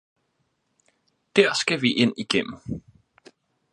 Der skal vi ind igennem!